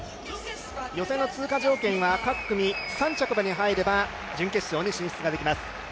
予選の通過条件は各組３着まで入れば準決勝に進出できます。